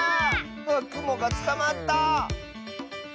くもがつかまった！